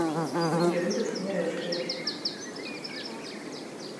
Такія выпадкі не рэдкія.